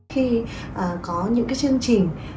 khi có những chương trình